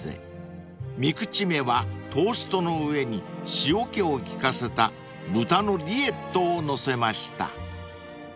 ［三口目はトーストの上に塩気を利かせた豚のリエットを載せました］